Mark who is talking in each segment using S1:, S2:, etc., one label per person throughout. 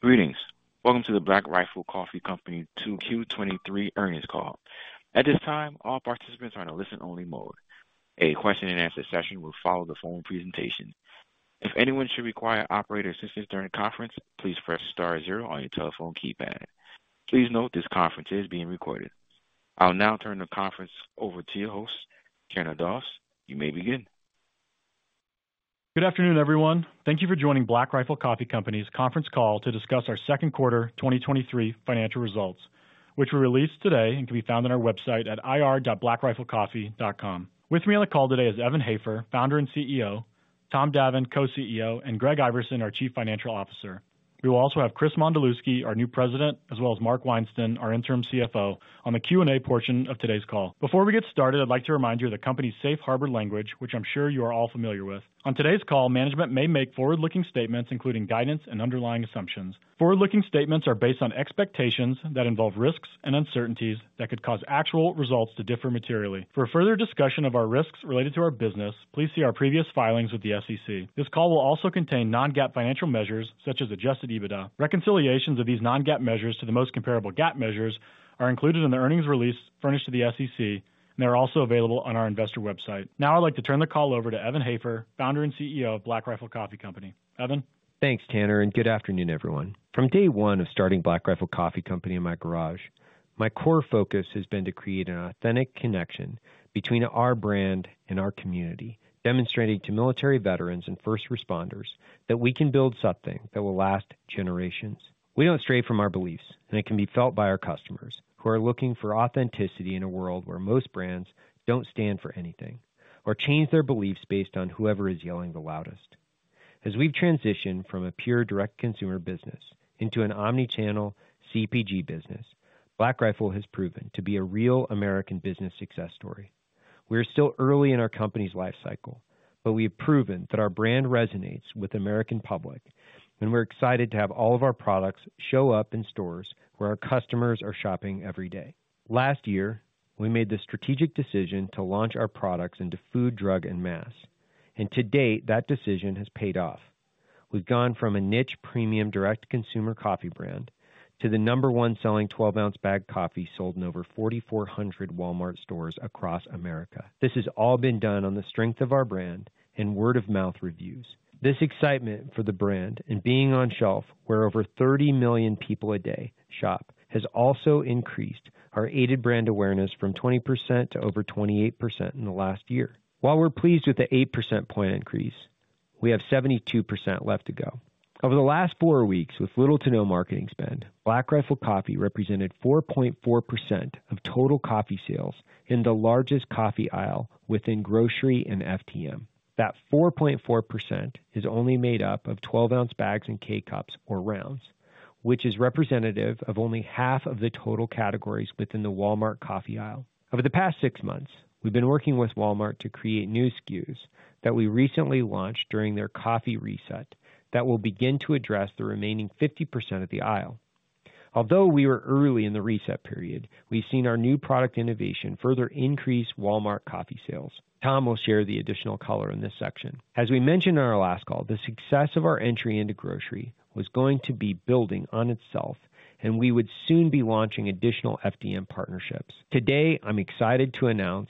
S1: Greetings! Welcome to the Black Rifle Coffee Company 2Q '23 earnings call. At this time, all participants are in a listen-only mode. A question-and-answer session will follow the phone presentation. If anyone should require operator assistance during the conference, please press star zero on your telephone keypad. Please note, this conference is being recorded. I'll now turn the conference over to your host, Tanner Doss. You may begin.
S2: Good afternoon, everyone. Thank you for joining Black Rifle Coffee Company's conference call to discuss our second quarter 2023 financial results, which were released today and can be found on our website at ir.blackriflecoffee.com. With me on the call today is Evan Hafer, Founder and CEO, Tom Davin, Co-CEO, and Greg Iverson, our Chief Financial Officer. We will also have Chris Mondzelewski, our new President, as well as Mark Weisenborn, our Interim CFO, on the Q&A portion of today's call. Before we get started, I'd like to remind you of the company's Safe Harbor language, which I'm sure you are all familiar with. On today's call, management may make forward-looking statements, including guidance and underlying assumptions. Forward-looking statements are based on expectations that involve risks and uncertainties that could cause actual results to differ materially. For a further discussion of our risks related to our business, please see our previous filings with the SEC. This call will also contain non-GAAP financial measures, such as Adjusted EBITDA. Reconciliations of these non-GAAP measures to the most comparable GAAP measures are included in the earnings release furnished to the SEC, and they are also available on our investor website. Now, I'd like to turn the call over to Evan Hafer, Founder and CEO of Black Rifle Coffee Company. Evan?
S3: Thanks, Tanner, and good afternoon, everyone. From day one of starting Black Rifle Coffee Company in my garage, my core focus has been to create an authentic connection between our brand and our community, demonstrating to military veterans and first responders that we can build something that will last generations. We don't stray from our beliefs, and it can be felt by our customers who are looking for authenticity in a world where most brands don't stand for anything or change their beliefs based on whoever is yelling the loudest. As we've transitioned from a pure direct-to-consumer business into an omni-channel CPG business, Black Rifle has proven to be a real American business success story. We are still early in our company's life cycle, but we have proven that our brand resonates with the American public. We're excited to have all of our products show up in stores where our customers are shopping every day. Last year, we made the strategic decision to launch our products into food, drug, and mass. To date, that decision has paid off. We've gone from a niche premium direct-to-consumer coffee brand to the number one selling 12-ounce bagged coffee sold in over 4,400 Walmart stores across America. This has all been done on the strength of our brand and word-of-mouth reviews. This excitement for the brand and being on shelf, where over 30 million people a day shop, has also increased our aided brand awareness from 20% to over 28% in the last year. While we're pleased with the 8% point increase, we have 72% left to go. Over the last 4 weeks, with little to no marketing spend, Black Rifle Coffee represented 4.4% of total coffee sales in the largest coffee aisle within grocery and FDM. That 4.4% is only made up of 12-ounce bags and K-Cup or rounds, which is representative of only half of the total categories within the Walmart coffee aisle. Over the past 6 months, we've been working with Walmart to create new SKUs that we recently launched during their coffee reset that will begin to address the remaining 50% of the aisle. Although we are early in the reset period, we've seen our new product innovation further increase Walmart coffee sales. Tom will share the additional color in this section. As we mentioned on our last call, the success of our entry into grocery was going to be building on itself. We would soon be launching additional FDM partnerships. Today, I'm excited to announce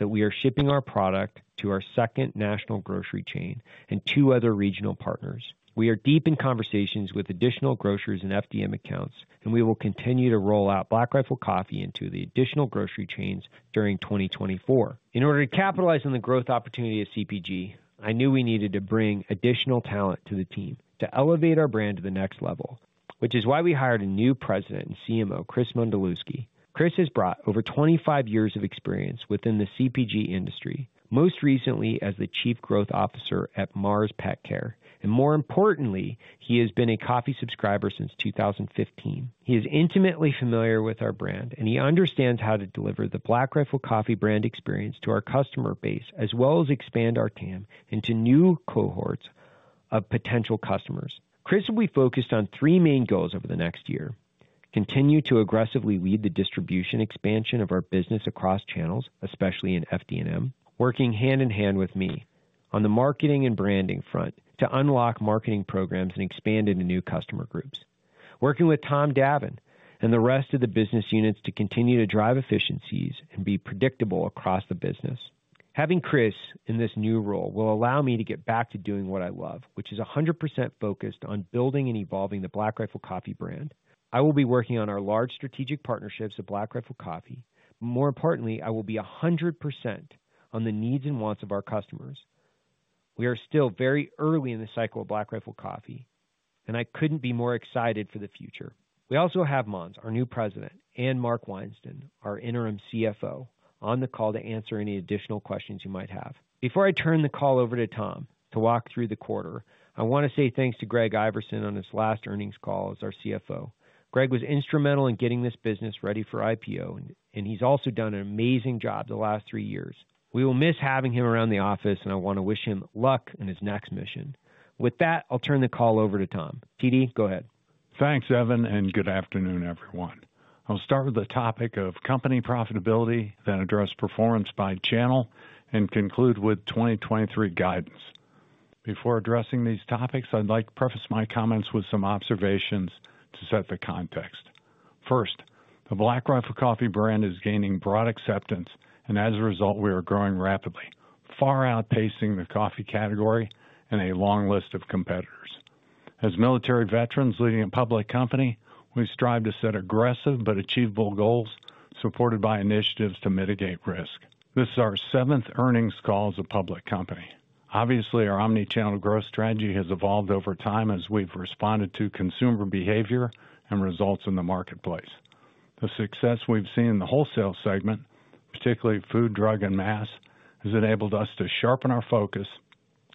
S3: that we are shipping our product to our second national grocery chain and two other regional partners. We are deep in conversations with additional grocers and FDM accounts. We will continue to roll out Black Rifle Coffee into the additional grocery chains during 2024. In order to capitalize on the growth opportunity at CPG, I knew we needed to bring additional talent to the team to elevate our brand to the next level, which is why we hired a new President and CMO, Chris Mondzelewski. Chris has brought over 25 years of experience within the CPG industry, most recently as the Chief Growth Officer at Mars Petcare, and more importantly, he has been a coffee subscriber since 2015. He is intimately familiar with our brand, and he understands how to deliver the Black Rifle Coffee brand experience to our customer base, as well as expand our TAM into new cohorts of potential customers. Chris will be focused on three main goals over the next year: continue to aggressively lead the distribution expansion of our business across channels, especially in FDM, working hand in hand with me on the marketing and branding front to unlock marketing programs and expand into new customer groups. Working with Tom Davin and the rest of the business units to continue to drive efficiencies and be predictable across the business. Having Chris in this new role will allow me to get back to doing what I love, which is 100% focused on building and evolving the Black Rifle Coffee brand. I will be working on our large strategic partnerships at Black Rifle Coffee. More importantly, I will be 100% on the needs and wants of our customers. We are still very early in the cycle of Black Rifle Coffee, and I couldn't be more excited for the future. We also have Mons, our new President, and Mark Weinsten, our interim CFO, on the call to answer any additional questions you might have. Before I turn the call over to Tom to walk through the quarter, I wanna say thanks to Greg Iverson on his last earnings call as our CFO. Greg was instrumental in getting this business ready for IPO, and he's also done an amazing job the last three years. We will miss having him around the office, and I wanna wish him luck in his next mission. With that, I'll turn the call over to Tom. TD, go ahead.
S4: Thanks, Evan, and good afternoon, everyone. I'll start with the topic of company profitability, then address performance by channel, and conclude with 2023 guidance. Before addressing these topics, I'd like to preface my comments with some observations to set the context. First, the Black Rifle Coffee brand is gaining broad acceptance, and as a result, we are growing rapidly, far outpacing the coffee category and a long list of competitors. As military veterans leading a public company, we strive to set aggressive but achievable goals, supported by initiatives to mitigate risk. This is our seventh earnings call as a public company. Obviously, our omni-channel growth strategy has evolved over time as we've responded to consumer behavior and results in the marketplace. The success we've seen in the wholesale segment, particularly food, drug, and mass, has enabled us to sharpen our focus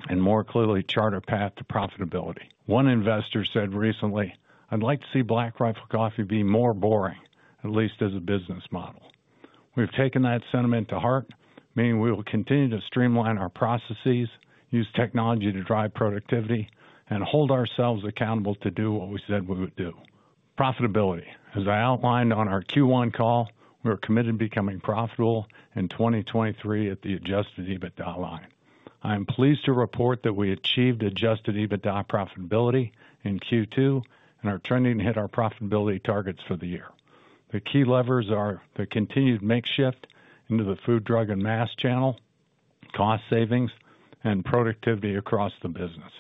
S4: and more clearly chart a path to profitability. One investor said recently, "I'd like to see Black Rifle Coffee be more boring, at least as a business model." We've taken that sentiment to heart, meaning we will continue to streamline our processes, use technology to drive productivity, and hold ourselves accountable to do what we said we would do. Profitability. As I outlined on our Q1 call, we are committed to becoming profitable in 2023 at the Adjusted EBITDA line. I am pleased to report that we achieved Adjusted EBITDA profitability in Q2 and are trending to hit our profitability targets for the year. The key levers are the continued mix shift into the food, drug, and mass channel, cost savings, and productivity across the business.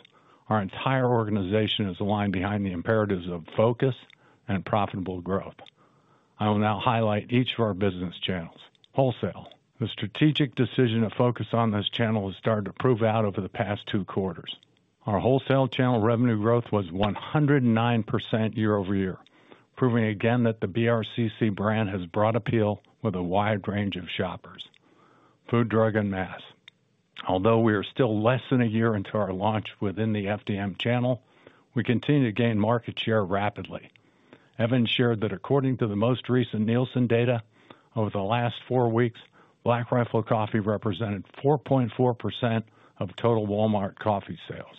S4: Our entire organization is aligned behind the imperatives of focus and profitable growth. I will now highlight each of our business channels. Wholesale. The strategic decision to focus on this channel has started to prove out over the past 2 quarters. Our wholesale channel revenue growth was 109% year-over-year, proving again that the BRCC brand has broad appeal with a wide range of shoppers. Food, drug, and mass. Although we are still less than a year into our launch within the FDM channel, we continue to gain market share rapidly. Evan shared that according to the most recent Nielsen data, over the last 4 weeks, Black Rifle Coffee represented 4.4% of total Walmart coffee sales.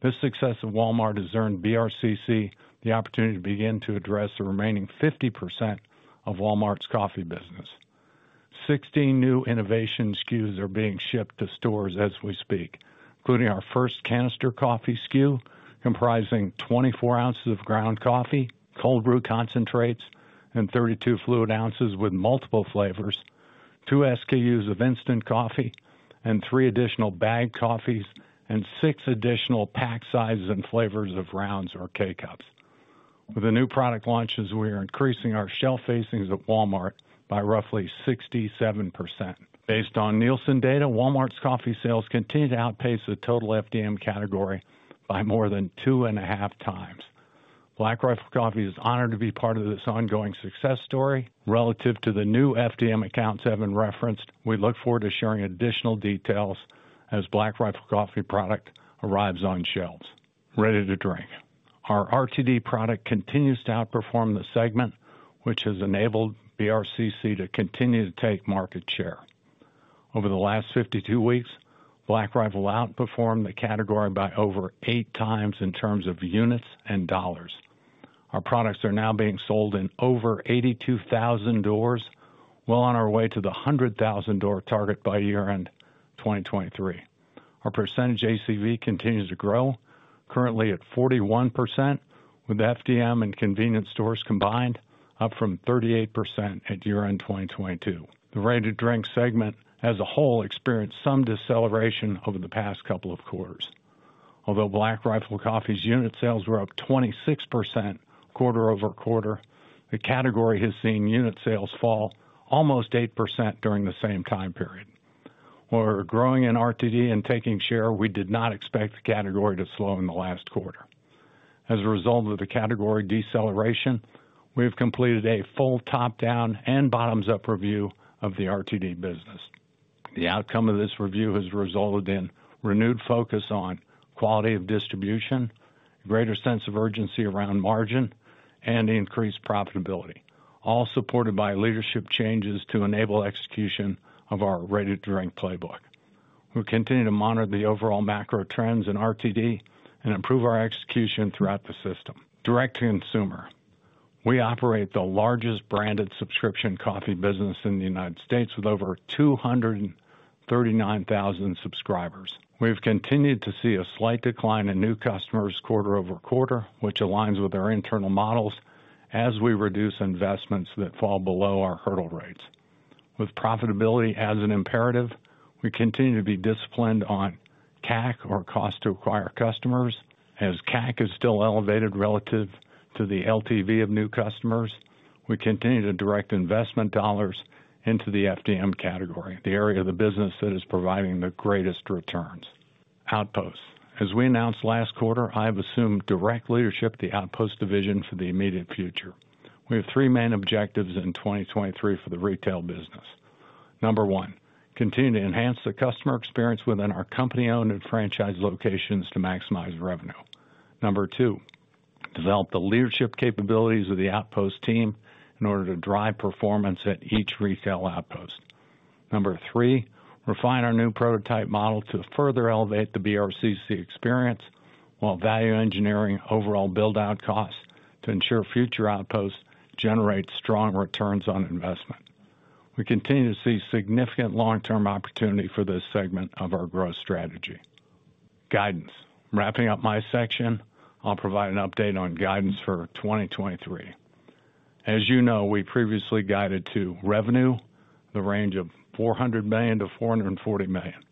S4: This success of Walmart has earned BRCC the opportunity to begin to address the remaining 50% of Walmart's coffee business. 16 new innovation SKUs are being shipped to stores as we speak, including our first canister coffee SKU, comprising 24 ounces of ground coffee, cold brew concentrates, and 32 fluid ounces with multiple flavors, two SKUs of instant coffee and three additional bagged coffees, and six additional pack sizes and flavors of rounds or K-Cup. With the new product launches, we are increasing our shelf facings at Walmart by roughly 67%. Based on Nielsen data, Walmart's coffee sales continue to outpace the total FDM category by more than 2.5 times. Black Rifle Coffee is honored to be part of this ongoing success story. Relative to the new FDM accounts Evan referenced, we look forward to sharing additional details as Black Rifle Coffee product arrives on shelves. Ready to drink. Our RTD product continues to outperform the segment, which has enabled BRCC to continue to take market share. Over the last 52 weeks, Black Rifle outperformed the category by over 8 times in terms of units and dollars. Our products are now being sold in over 82,000 doors, well on our way to the 100,000 door target by year-end 2023. Our percentage ACV continues to grow, currently at 41%, with FDM and convenience stores combined, up from 38% at year-end 2022. The ready-to-drink segment as a whole, experienced some deceleration over the past couple of quarters. Although Black Rifle Coffee's unit sales were up 26% quarter-over-quarter, the category has seen unit sales fall almost 8% during the same time period. While we're growing in RTD and taking share, we did not expect the category to slow in the last quarter. As a result of the category deceleration, we've completed a full top-down and bottoms-up review of the RTD business. The outcome of this review has resulted in renewed focus on quality of distribution, greater sense of urgency around margin, and increased profitability, all supported by leadership changes to enable execution of our ready-to-drink playbook. We'll continue to monitor the overall macro trends in RTD and improve our execution throughout the system. Direct-to-consumer. We operate the largest branded subscription coffee business in the United States, with over 239,000 subscribers. We've continued to see a slight decline in new customers quarter-over-quarter, which aligns with our internal models as we reduce investments that fall below our hurdle rates. With profitability as an imperative, we continue to be disciplined on CAC or cost to acquire customers. As CAC is still elevated relative to the LTV of new customers, we continue to direct investment dollars into the FDM category, the area of the business that is providing the greatest returns. Outposts. As we announced last quarter, I've assumed direct leadership of the Outpost division for the immediate future. We have 3 main objectives in 2023 for the retail business. Number 1, continue to enhance the customer experience within our company-owned and franchise locations to maximize revenue. Number 2, develop the leadership capabilities of the Outpost team in order to drive performance at each retail outpost. Number 3, refine our new prototype model to further elevate the BRCC experience, while value engineering overall build-out costs to ensure future outposts generate strong ROI. We continue to see significant long-term opportunity for this segment of our growth strategy. Guidance. Wrapping up my section, I'll provide an update on guidance for 2023. As, we previously guided to revenue the range of $400 million-$440 million.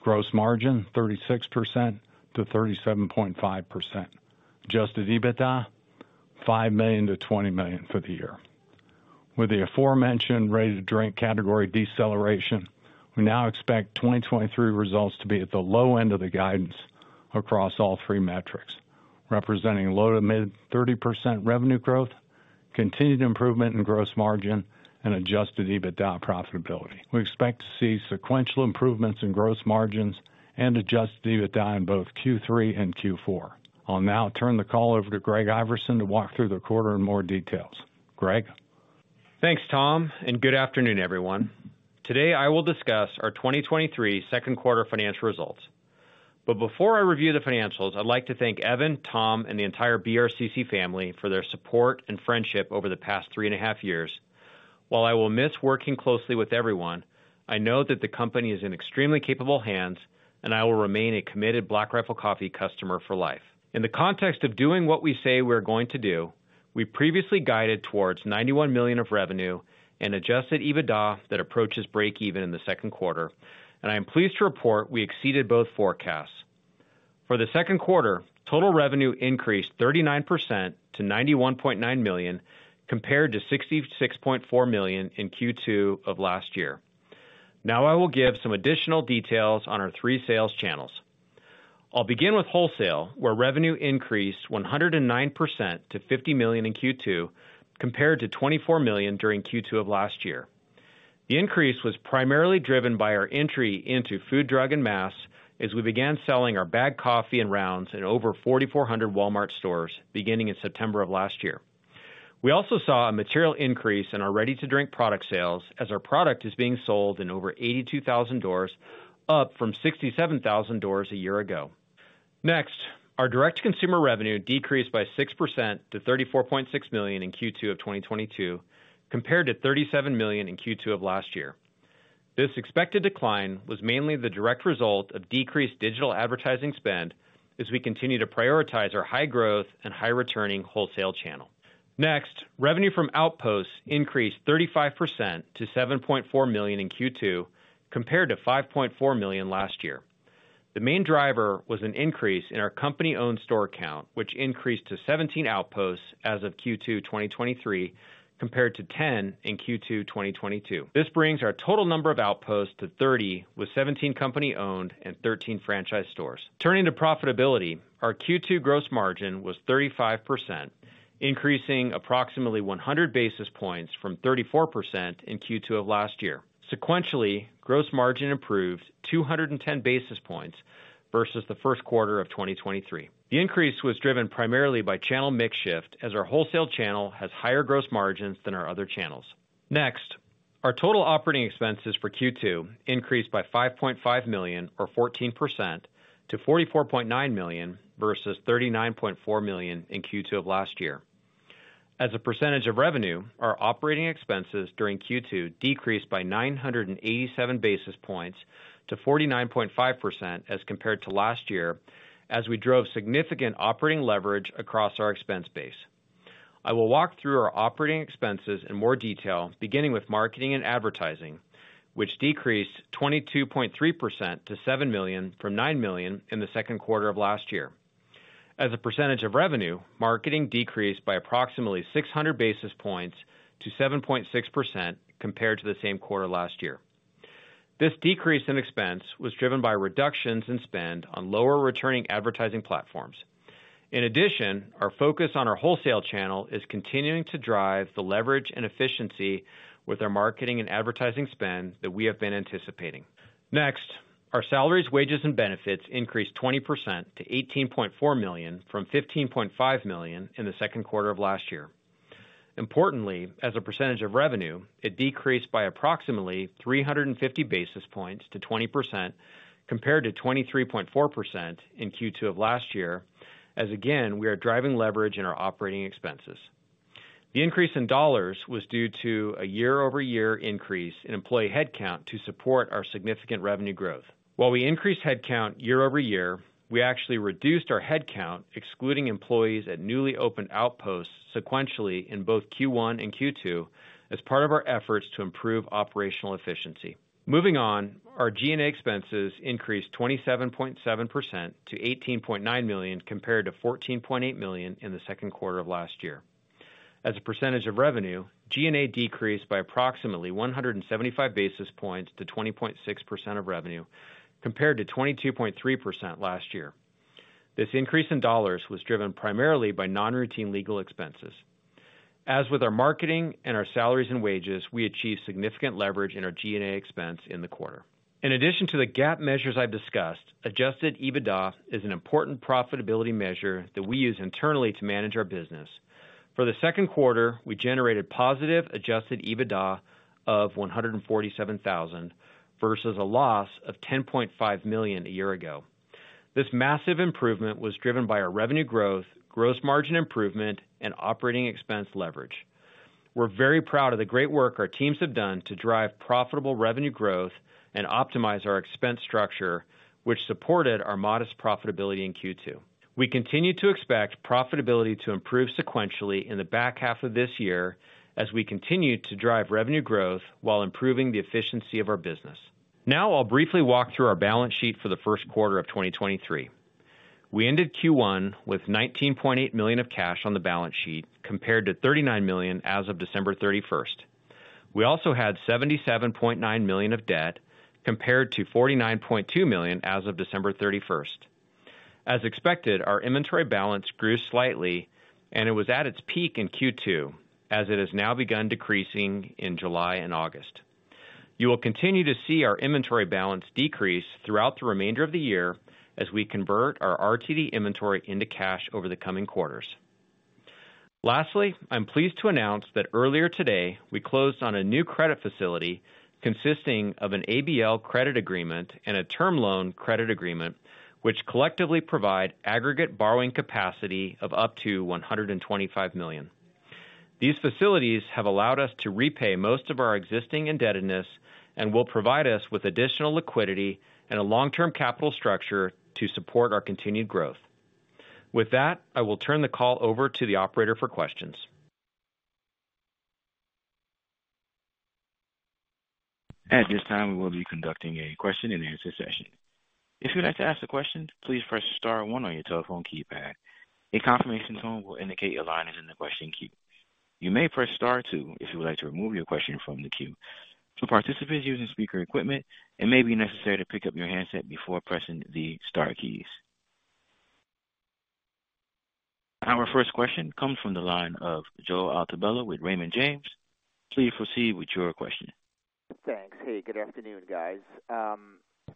S4: Gross margin, 36%-37.5%. Adjusted EBITDA, $5 million-$20 million for the year. With the aforementioned ready-to-drink category deceleration, we now expect 2023 results to be at the low end of the guidance across all three metrics, representing low to mid-30% revenue growth, continued improvement in gross margin, and Adjusted EBITDA profitability. We expect to see sequential improvements in gross margins and Adjusted EBITDA in both Q3 and Q4. I'll now turn the call over to Greg Iverson to walk through the quarter in more details. Greg?
S5: Thanks, Tom. Good afternoon, everyone. Today, I will discuss our 2023 second quarter financial results. Before I review the financials, I'd like to thank Evan, Tom, and the entire BRCC family for their support and friendship over the past three and a half years. While I will miss working closely with everyone, I know that the company is in extremely capable hands, and I will remain a committed Black Rifle Coffee customer for life. In the context of doing what we say we are going to do, we previously guided towards $91 million of revenue and Adjusted EBITDA that approaches break even in the second quarter, and I am pleased to report we exceeded both forecasts. For the second quarter, total revenue increased 39% to $91.9 million, compared to $66.4 million in Q2 of last year. I will give some additional details on our three sales channels. I'll begin with wholesale, where revenue increased 109% to $50 million in Q2, compared to $24 million during Q2 of last year. The increase was primarily driven by our entry into food, drug, and mass, as we began selling our bagged coffee and rounds in over 4,400 Walmart stores beginning in September of last year. We also saw a material increase in our ready-to-drink product sales, as our product is being sold in over 82,000 doors, up from 67,000 doors a year ago. Our direct-to-consumer revenue decreased by 6% to $34.6 million in Q2 of 2022, compared to $37 million in Q2 of last year. This expected decline was mainly the direct result of decreased digital advertising spend as we continue to prioritize our high growth and high returning wholesale channel. Revenue from Outposts increased 35% to $7.4 million in Q2, compared to $5.4 million last year. The main driver was an increase in our company-owned store count, which increased to 17 Outposts as of Q2 2023, compared to 10 in Q2 2022. This brings our total number of Outposts to 30, with 17 company-owned and 13 franchise stores. Turning to profitability, our Q2 gross margin was 35%, increasing approximately 100 basis points from 34% in Q2 of last year. Sequentially, gross margin improved 210 basis points versus the first quarter of 2023. The increase was driven primarily by channel mix shift, as our wholesale channel has higher gross margins than our other channels. Our total operating expenses for Q2 increased by $5.5 million, or 14%, to $44.9 million versus $39.4 million in Q2 of last year. As a percentage of revenue, our operating expenses during Q2 decreased by 987 basis points to 49.5% as compared to last year, as we drove significant operating leverage across our expense base. I will walk through our operating expenses in more detail, beginning with marketing and advertising, which decreased 22.3% to $7 million from $9 million in the second quarter of last year. As a percentage of revenue, marketing decreased by approximately 600 basis points to 7.6% compared to the same quarter last year. This decrease in expense was driven by reductions in spend on lower returning advertising platforms. In addition, our focus on our wholesale channel is continuing to drive the leverage and efficiency with our marketing and advertising spend that we have been anticipating. Next, our salaries, wages, and benefits increased 20% to $18.4 million from $15.5 million in the second quarter of last year. Importantly, as a percentage of revenue, it decreased by approximately 350 basis points to 20%, compared to 23.4% in Q2 of last year, as again, we are driving leverage in our operating expenses. The increase in dollars was due to a year-over-year increase in employee headcount to support our significant revenue growth. While we increased headcount year-over-year, we actually reduced our headcount, excluding employees at newly opened Outposts sequentially in both Q1 and Q2 as part of our efforts to improve operational efficiency. Moving on, our G&A expenses increased 27.7% to $18.9 million, compared to $14.8 million in the second quarter of last year. As a percentage of revenue, G&A decreased by approximately 175 basis points to 20.6% of revenue, compared to 22.3% last year. This increase in dollars was driven primarily by non-routine legal expenses. As with our marketing and our salaries and wages, we achieved significant leverage in our G&A expense in the quarter. In addition to the GAAP measures I've discussed, Adjusted EBITDA is an important profitability measure that we use internally to manage our business. For the second quarter, we generated positive Adjusted EBITDA of $147,000, versus a loss of $10.5 million a year ago. This massive improvement was driven by our revenue growth, gross margin improvement, and operating expense leverage. We're very proud of the great work our teams have done to drive profitable revenue growth and optimize our expense structure, which supported our modest profitability in Q2. We continue to expect profitability to improve sequentially in the back half of this year as we continue to drive revenue growth while improving the efficiency of our business. I'll briefly walk through our balance sheet for the first quarter of 2023. We ended Q1 with $19.8 million of cash on the balance sheet, compared to $39 million as of December 31st. We also had $77.9 million of debt, compared to $49.2 million as of December 31st. As expected, our inventory balance grew slightly, and it was at its peak in Q2, as it has now begun decreasing in July and August. You will continue to see our inventory balance decrease throughout the remainder of the year as we convert our RTD inventory into cash over the coming quarters. Lastly, I'm pleased to announce that earlier today, we closed on a new credit facility consisting of an ABL credit agreement and a term loan credit agreement, which collectively provide aggregate borrowing capacity of up to $125 million. These facilities have allowed us to repay most of our existing indebtedness and will provide us with additional liquidity and a long-term capital structure to support our continued growth. With that, I will turn the call over to the operator for questions.
S1: At this time, we will be conducting a question-and-answer session. If you'd like to ask a question, please press star one on your telephone keypad. A confirmation tone will indicate your line is in the question queue. You may press star two if you would like to remove your question from the queue. To participants using speaker equipment, it may be necessary to pick up your handset before pressing the star keys. Our first question comes from the line of Joe Altobello with Raymond James. Please proceed with your question.
S6: Thanks. Hey, good afternoon, guys. A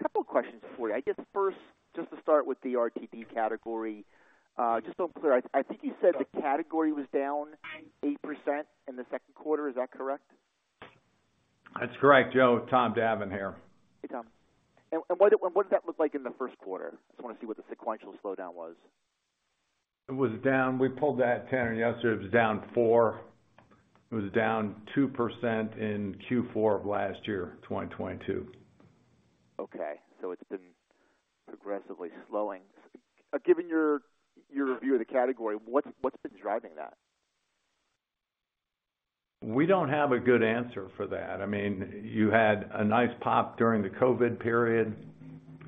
S6: couple of questions for you. I guess first, just to start with the RTD category, just so I'm clear, I, I think you said the category was down 8% in the second quarter. Is that correct?
S5: That's correct, Joe. Tom Davin here.
S6: Hey, Tom. What did that look like in the first quarter? I just want to see what the sequential slowdown was.
S5: It was down. We pulled that 10 yesterday. It was down 4. It was down 2% in Q4 of last year, 2022.
S6: Okay, it's been progressively slowing. Given your, your view of the category, what's, what's been driving that?
S5: We don't have a good answer for that. I mean, you had a nice pop during the COVID period.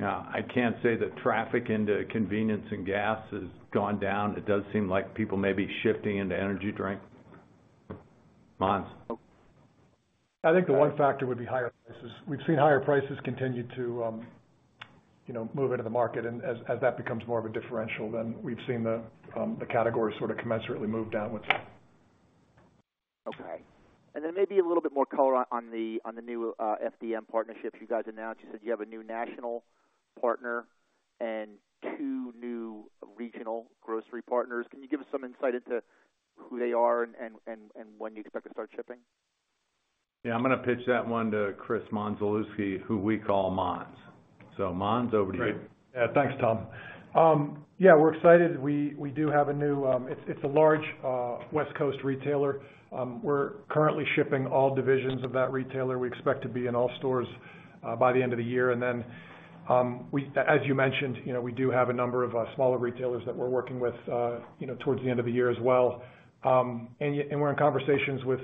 S5: I can't say that traffic into convenience and gas has gone down. It does seem like people may be shifting into energy drink. Mondzelewski?
S7: I think the one factor would be higher prices. We've seen higher prices continue to move into the market, and as, as that becomes more of a differential, then we've seen the, the category sort of commensurately move down with that.
S6: Okay. Maybe a little bit more color on, on the, on the new FDM partnerships you guys announced. You said you have a new national partner and two new regional grocery partners. Can you give us some insight into who they are and when you expect to start shipping?
S5: Yeah, I'm gonna pitch that one to Chris Mondzelewski, who we call Mons. Mons, over to you.
S7: Great. Yeah, thanks, Tom. Yeah, we're excited. We, we do have a new, it's, it's a large West Coast retailer. We're currently shipping all divisions of that retailer. We expect to be in all stores by the end of the year. Then, we, as you mentioned we do have a number of smaller retailers that we're working with towards the end of the year as well. We're in conversations with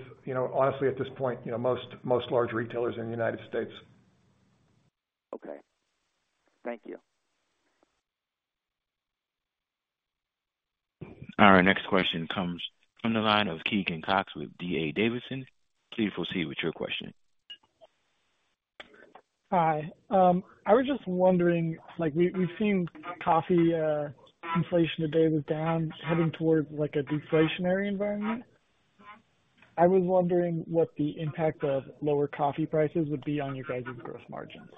S7: honestly, at this point most, most large retailers in the United States.
S6: Okay. Thank you.
S1: Our next question comes from the line of Keegan Cox with D.A. Davidson. Please proceed with your question.
S8: Hi. I was just wondering, like, we've seen coffee inflation today was down, heading towards like a deflationary environment. I was wondering what the impact of lower coffee prices would be on your guys' gross margins?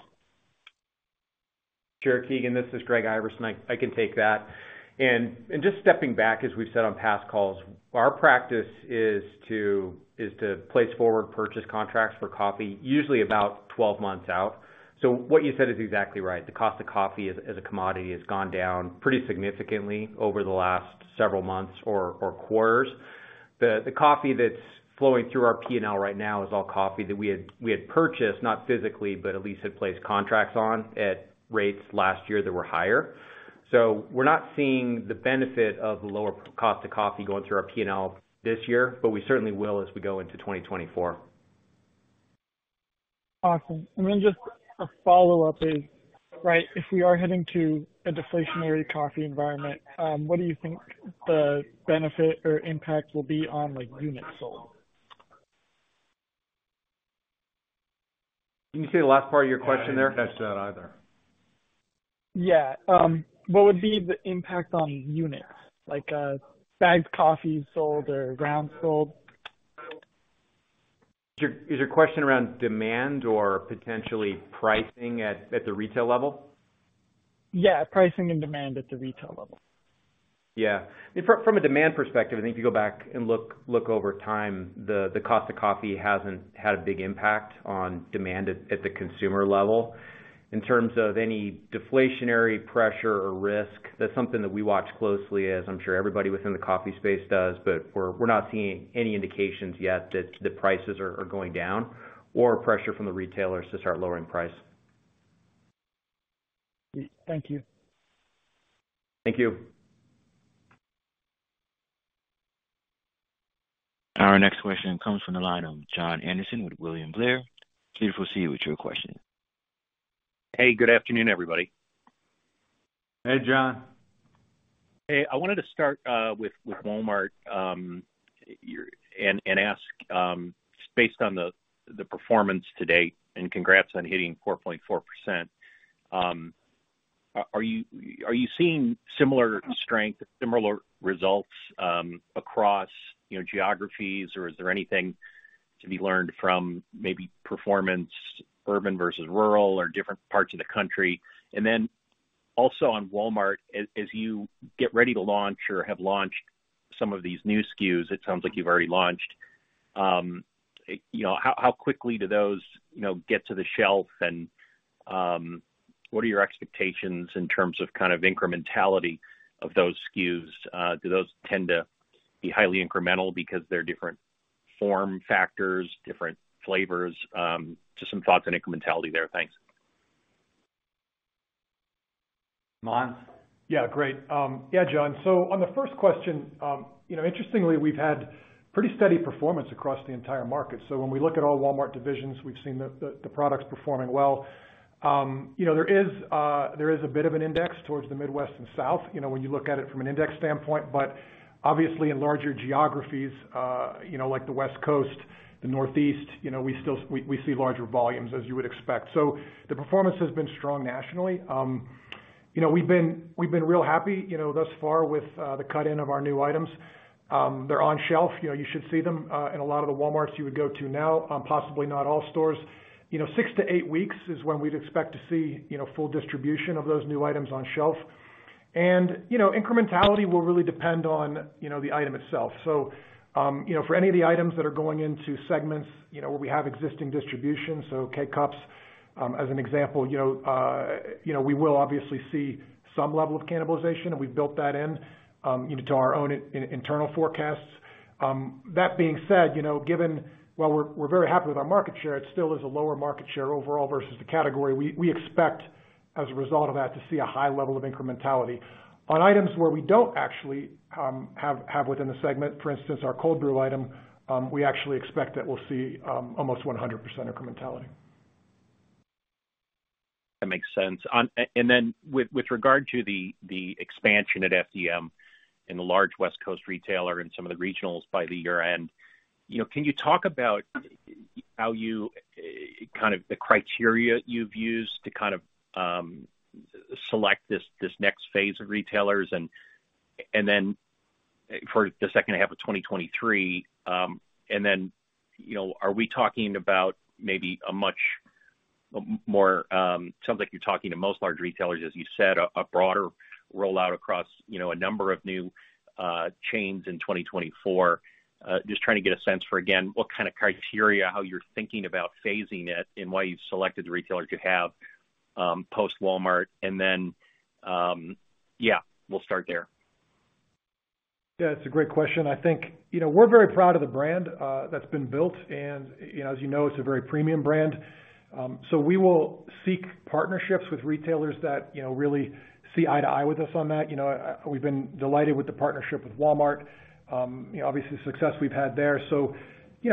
S5: Sure, Keegan, this is Greg Iverson. I, I can take that. Just stepping back, as we've said on past calls, our practice is to, is to place forward purchase contracts for coffee, usually about 12 months out. What you said is exactly right. The cost of coffee as, as a commodity, has gone down pretty significantly over the last several months or, or quarters. The, the coffee that's flowing through our P&L right now is all coffee that we had, we had purchased, not physically, but at least had placed contracts on at rates last year that were higher. We're not seeing the benefit of the lower cost of coffee going through our P&L this year, but we certainly will as we go into 2024.
S8: Awesome. Then just a follow-up is, right, if we are heading to a deflationary coffee environment, what do you think the benefit or impact will be on, like, units sold?
S5: Can you say the last part of your question there? I didn't catch that either.
S8: Yeah. What would be the impact on units, like, bagged coffee sold or grounds sold?
S5: Is your, is your question around demand or potentially pricing at, at the retail level?
S8: Yeah, pricing and demand at the retail level.
S5: Yeah, from, from a demand perspective, I think if you go back and look, look over time, the, the cost of coffee hasn't had a big impact on demand at, at the consumer level. In terms of any deflationary pressure or risk, that's something that we watch closely, as I'm sure everybody within the coffee space does, but we're, we're not seeing any indications yet that the prices are, are going down or pressure from the retailers to start lowering price.
S9: Thank you.
S5: Thank you.
S1: Our next question comes from the line of Jon Andersen with William Blair. Please proceed with your question.
S10: Hey, good afternoon, everybody.
S5: Hey, Jon.
S10: Hey, I wanted to start with Walmart, your-- and ask, based on the performance to date, and congrats on hitting 4.4%, are you seeing similar strength, similar results across geographies? Or is there anything to be learned from maybe performance, urban versus rural or different parts of the country? Then also on Walmart, as you get ready to launch or have launched some of these new SKUs, it sounds like you've already launched., how quickly do those get to the shelf and what are your expectations in terms of kind of incrementality of those SKUs? Do those tend to be highly incremental because they're different form factors, different flavors? Just some thoughts on incrementality there. Thanks.
S5: Mon?
S7: Yeah, great. Yeah, Jon. On the first question interestingly, we've had pretty steady performance across the entire market. When we look at all Walmart divisions, we've seen the, the, the products performing well., there is, there is a bit of an index towards the Midwest and south when you look at it from an index standpoint, but obviously in larger geographies like the West Coast, the northeast we still, we, we see larger volumes, as you would expect. The performance has been strong nationally., we've been, we've been real happy thus far with the cut-in of our new items. They're on shelf., you should see them in a lot of the Walmarts you would go to now, possibly not all stores., 6-8 weeks is when we'd expect to see full distribution of those new items on shelf. , incrementality will really depend on the item itself., for any of the items that are going into segments where we have existing distribution, so K-Cup, as an example we will obviously see some level of cannibalization, and we've built that in to our own in-in-internal forecasts. That being said given... While we're, we're very happy with our market share, it still is a lower market share overall versus the category. We, we expect as a result of that, to see a high level of incrementality. On items where we don't actually, have, have within the segment, for instance, our cold brew item, we actually expect that we'll see, almost 100% incrementality.
S10: That makes sense. With regard to the expansion at FDM in the large West Coast retailer and some of the regionals by the year-end can you talk about how you kind of the criteria you've used to kind of select this, this next phase of retailers? For the second half of 2023, and then are we talking about maybe a much more, sounds like you're talking to most large retailers, as you said, a broader rollout across a number of new chains in 2024. Just trying to get a sense for, again, what kind of criteria, how you're thinking about phasing it and why you've selected the retailers you have, post-Walmart, and then, yeah, we'll start there.
S7: Yeah, it's a great question. I think we're very proud of the brand that's been built, and as, it's a very premium brand. We will seek partnerships with retailers that really see eye to eye with us on that., we've been delighted with the partnership with walmart obviously, the success we've had there.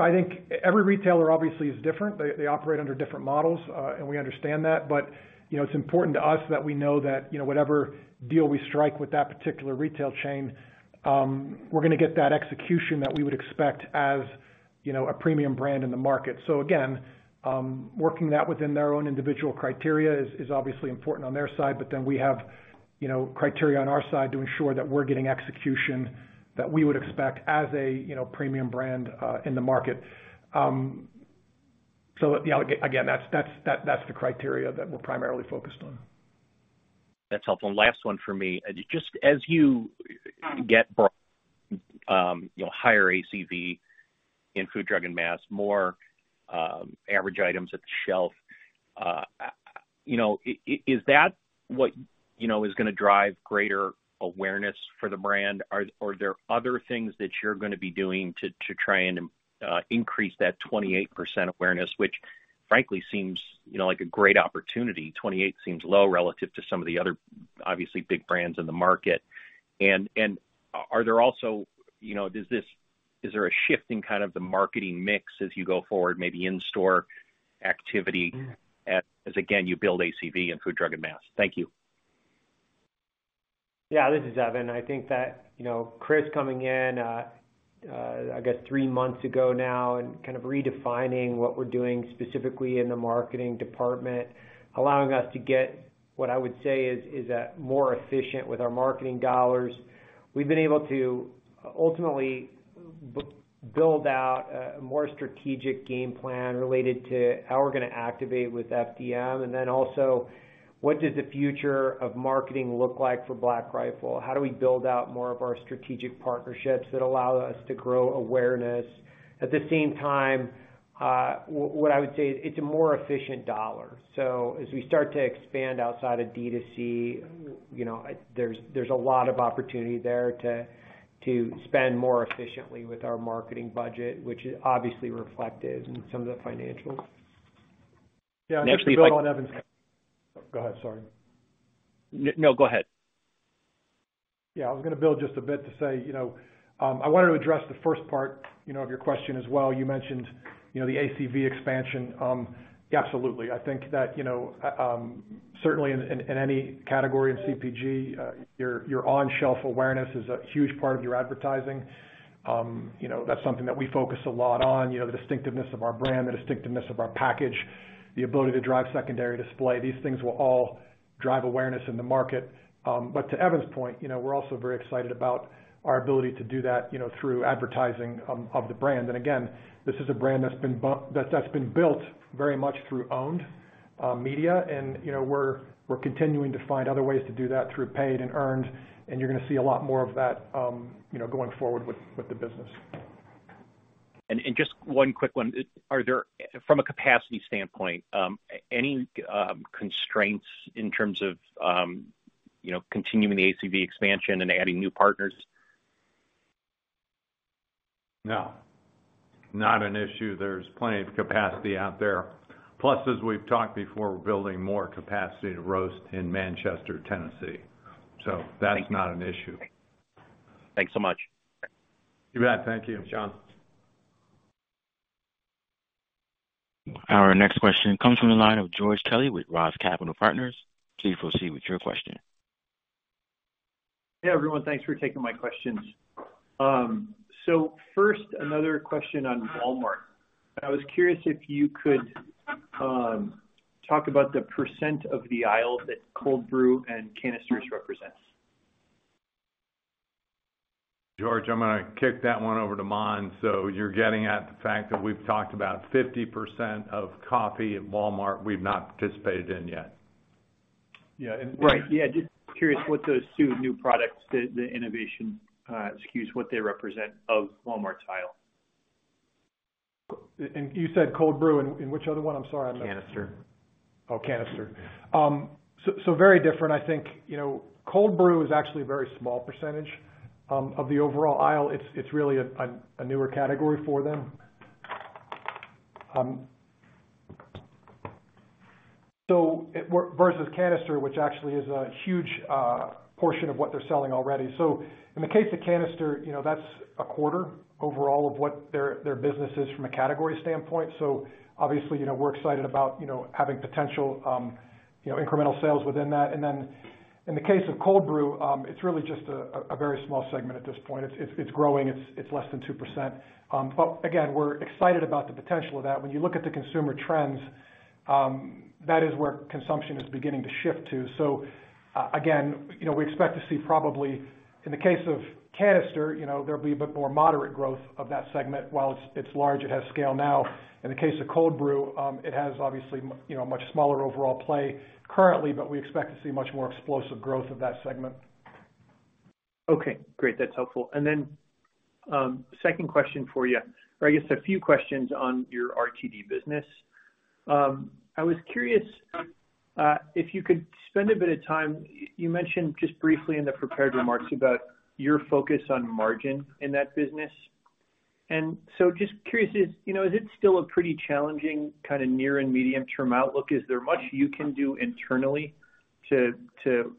S7: I think every retailer obviously is different. They, they operate under different models, and we understand that. It's important to us that we know that whatever deal we strike with that particular retail chain, we're gonna get that execution that we would expect as a premium brand in the market. Again, working that within their own individual criteria is, is obviously important on their side, but then we have criteria on our side to ensure that we're getting execution that we would expect as a premium brand, in the market. Yeah, again, that's, that's, that's the criteria that we're primarily focused on.
S10: That's helpful. Last one for me, just as you get higher ACV in food, drug, and mass, more, average items at the shelf is that what is gonna drive greater awareness for the brand? Or there other things that you're gonna be doing to, to try and, increase that 28% awareness? Which frankly seems like a great opportunity. 28 seems low relative to some of the other, obviously, big brands in the market. Is there also is there a shift in kind of the marketing mix as you go forward, maybe in-store activity, as again, you build ACV in food, drug, and mass? Thank you.
S5: Yeah, this is Evan. I think that Chris coming in, I guess 3 months ago now and kind of redefining what we're doing specifically in the marketing department, allowing us to get, what I would say is, is, more efficient with our marketing dollars. We've been able to ultimately-
S3: build out a more strategic game plan related to how we're gonna activate with FDM, then also, what does the future of marketing look like for Black Rifle? How do we build out more of our strategic partnerships that allow us to grow awareness? At the same time, what I would say is, it's a more efficient dollar. As we start to expand outside of d2c there's, there's a lot of opportunity there to, to spend more efficiently with our marketing budget, which is obviously reflected in some of the financials.
S7: Yeah, go ahead, sorry.
S10: No, go ahead.
S7: Yeah, I was gonna build just a bit to say I wanted to address the first part of your question as well. You mentioned the ACV expansion. Absolutely. I think that certainly in, in, in any category in CPG, your, your on-shelf awareness is a huge part of your advertising., that's something that we focus a lot on., the distinctiveness of our brand, the distinctiveness of our package, the ability to drive secondary display, these things will all drive awareness in the market. But to Evan's point we're also very excited about our ability to do that through advertising of the brand. Again, this is a brand that's been that, that's been built very much through owned media., we're, we're continuing to find other ways to do that through paid and earned, and you're gonna see a lot more of that going forward with, with the business.
S10: Just one quick one. Are there, from a capacity standpoint, any constraints in terms of continuing the ACV expansion and adding new partners?
S4: No, not an issue. There's plenty of capacity out there. Plus, as we've talked before, we're building more capacity to roast in Manchester, Tennessee. That's not an issue.
S10: Thanks so much.
S4: You bet. Thank you.
S7: John?
S1: Our next question comes from the line of George Kelly with Roth Capital Partners. Please proceed with your question.
S11: Hey, everyone, thanks for taking my questions. First, another question on Walmart. I was curious if you could talk about the percent of the aisle that cold brew and canisters represents.
S4: George, I'm gonna kick that one over to Mon. You're getting at the fact that we've talked about 50% of coffee at Walmart we've not participated in yet.
S11: Yeah. Right. Yeah, just curious what those two new products, the, the innovation SKUs, what they represent of Walmart's aisle.
S7: You said cold brew, and, and which other one? I'm sorry, I'm-
S3: Canister.
S7: Oh, canister. Very different. I think cold brew is actually a very small percentage of the overall aisle. It's, it's really a newer category for them. Versus canister, which actually is a huge portion of what they're selling already. In the case of canister that's a quarter overall of what their, their business is from a category standpoint. obviously we're excited about having potential incremental sales within that. Then in the case of cold brew, it's really just a very small segment at this point. It's, it's growing. It's, it's less than 2%. Again, we're excited about the potential of that. When you look at the consumer trends, that is where consumption is beginning to shift to. again we expect to see probably in the case of canister there'll be a bit more moderate growth of that segment. While it's, it's large, it has scale now. In the case of cold brew, it has obviously a much smaller overall play currently, but we expect to see much more explosive growth of that segment.
S11: Okay, great. That's helpful. Second question for you, or I guess a few questions on your RTD business. I was curious if you could spend a bit of time. You mentioned just briefly in the prepared remarks about your focus on margin in that business. Just curious, is is it still a pretty challenging kind of near and medium-term outlook? Is there much you can do internally to, to,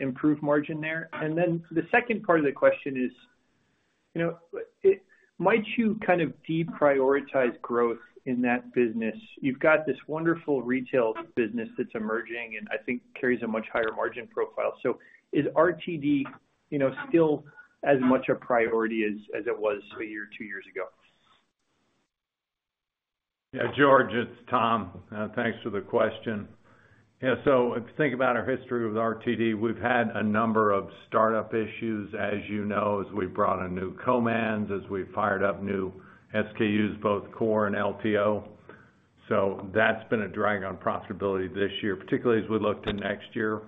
S11: improve margin there? The second part of the question is might you kind of deprioritize growth in that business? You've got this wonderful retail business that's emerging and I think carries a much higher margin profile. Is rtd still as much a priority as, as it was a year, two years ago?
S4: Yeah, George, it's Tom. Thanks for the question. Yeah, if you think about our history with RTD, we've had a number of startup issues, as, as we brought on new commands, as we fired up new SKUs, both core and LTO. That's been a drag on profitability this year. Particularly as we look to next year,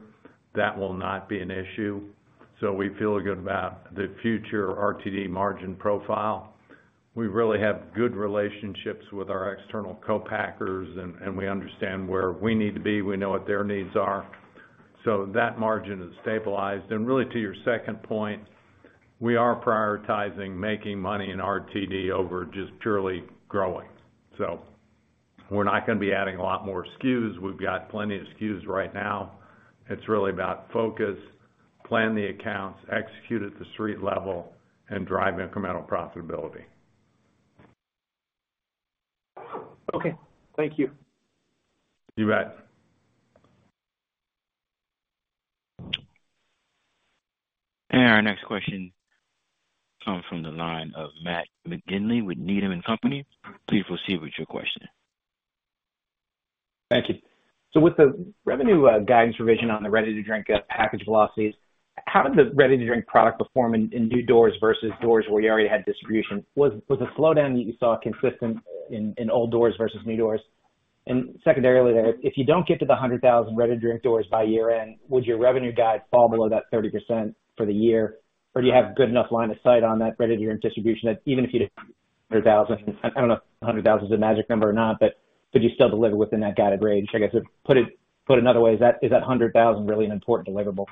S4: that will not be an issue. We feel good about the future RTD margin profile. We really have good relationships with our external co-packers, and, and we understand where we need to be. We know what their needs are. That margin is stabilized. Really, to your second point, we are prioritizing making money in RTD over just purely growing. We're not gonna be adding a lot more SKUs. We've got plenty of SKUs right now. It's really about focus, plan the accounts, execute at the street level, and drive incremental profitability.
S11: Okay, thank you.
S4: You bet.
S1: Our next question comes from the line of Matt McGinley with Needham & Company. Please proceed with your question.
S12: Thank you. With the revenue guidance revision on the ready-to-drink package velocities, how did the ready-to-drink product perform in new doors versus doors where you already had distribution? Was, was the slowdown that you saw consistent in old doors versus new doors? Secondarily there, if you don't get to the 100,000 ready-to-drink doors by year end, would your revenue guide fall below that 30% for the year? Do you have good enough line of sight on that ready-to-drink distribution, that even if you did 100,000, I don't know if 100,000 is a magic number or not, but could you still deliver within that guided range? I guess, put it, put another way, is that, is that 100,000 really an important deliverable?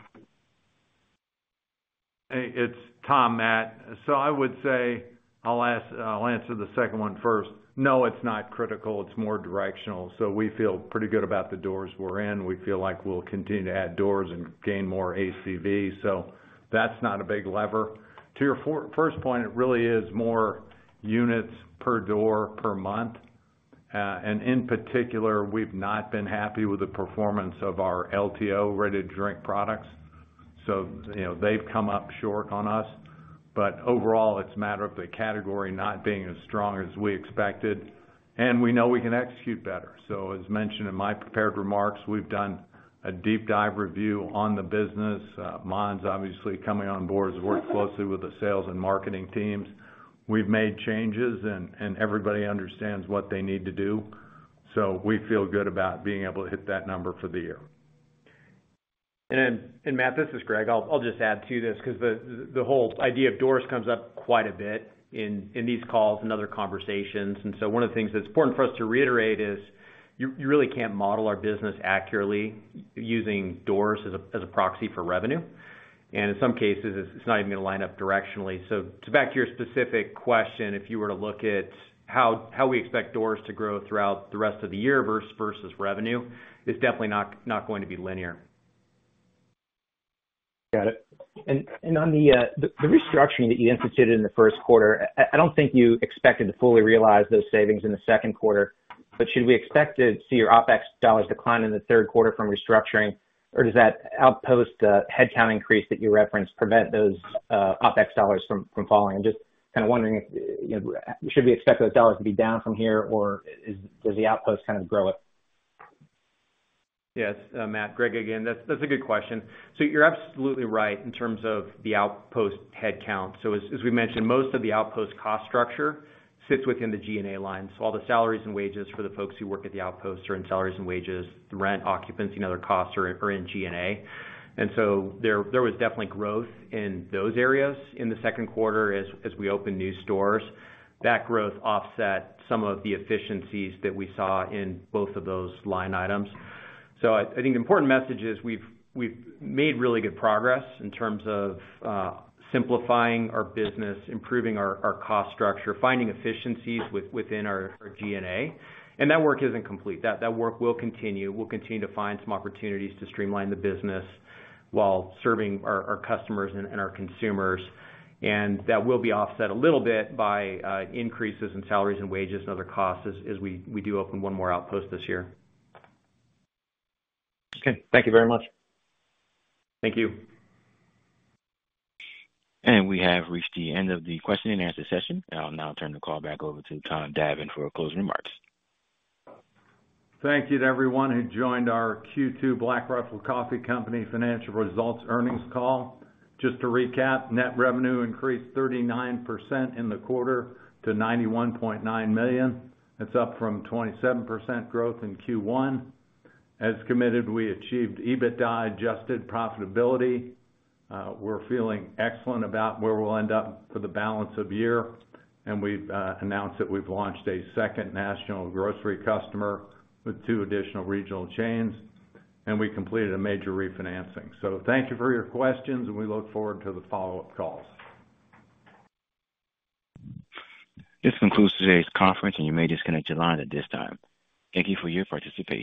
S4: Hey, it's Tom, Matt. I would say, I'll answer the second one first. No, it's not critical. It's more directional. We feel pretty good about the doors we're in. We feel like we'll continue to add doors and gain more ACV, so that's not a big lever. To your first point, it really is more units per door, per month. In particular, we've not been happy with the performance of our LTO ready-to-drink products. , they've come up short on us, but overall, it's a matter of the category not being as strong as we expected, and we know we can execute better. As mentioned in my prepared remarks, we've done a deep dive review on the business. Mondzelewski obviously coming on board has worked closely with the sales and marketing teams. We've made changes and everybody understands what they need to do, so we feel good about being able to hit that number for the year.
S5: And Matt, this is Greg. I'll, I'll just add to this, because the, the whole idea of doors comes up quite a bit in, in these calls and other conversations. One of the things that's important for us to reiterate is, you, you really can't model our business accurately using doors as a, as a proxy for revenue. In some cases, it's, it's not even going to line up directionally. To back to your specific question, if you were to look at how, how we expect doors to grow throughout the rest of the year versus, versus revenue, it's definitely not, not going to be linear.
S12: Got it. On the restructuring that you instituted in the 1st quarter, I don't think you expected to fully realize those savings in the 2nd quarter, but should we expect to see your OpEx dollars decline in the 3rd quarter from restructuring, or does that Outpost headcount increase that you referenced, prevent those OpEx dollars from falling? I'm just kind of wondering if should we expect those dollars to be down from here, or does the Outpost kind of grow it?
S5: Yes, Matt, Greg, again, that's, that's a good question. You're absolutely right in terms of the Outpost headcount. As, as we mentioned, most of the Outpost cost structure sits within the G&A line. All the salaries and wages for the folks who work at the Outpost are in salaries and wages. The rent, occupancy, and other costs are, are in G&A. There, there was definitely growth in those areas in the second quarter as, as we opened new stores. That growth offset some of the efficiencies that we saw in both of those line items. I, I think the important message is, we've, we've made really good progress in terms of simplifying our business, improving our, our cost structure, finding efficiencies within our, our G&A, and that work isn't complete. That, that work will continue. We'll continue to find some opportunities to streamline the business while serving our, our customers and, and our consumers. That will be offset a little bit by increases in salaries and wages and other costs as, as we, we do open one more Outpost this year.
S12: Okay, thank you very much.
S5: Thank you.
S1: We have reached the end of the question and answer session. I'll now turn the call back over to Tom Davin for closing remarks.
S4: Thank you to everyone who joined our Q2 Black Rifle Coffee Company financial results earnings call. Just to recap, net revenue increased 39% in the quarter to $91.9 million. That's up from 27% growth in Q1. As committed, we achieved EBITDA adjusted profitability. We're feeling excellent about where we'll end up for the balance of the year, and we've, announced that we've launched a second national grocery customer with 2 additional regional chains, and we completed a major refinancing. Thank you for your questions, and we look forward to the follow-up calls.
S1: This concludes today's conference. You may disconnect your line at this time. Thank you for your participation.